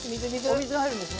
お水が入るんですね。